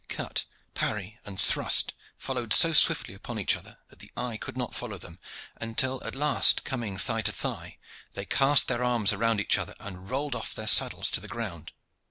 Cut, parry, and thrust followed so swiftly upon each other that the eye could not follow them, until at last coming thigh to thigh, they cast their arms around each other and rolled off their saddles to the ground.